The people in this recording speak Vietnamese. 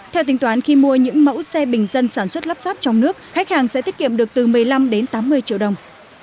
theo tính toán khi mua những mẫu xe bình dân sản xuất lắp sáp trong nước khách hàng sẽ tiết kiệm được từ một mươi năm đến tám mươi triệu đồng